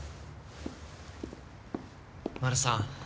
丸さん。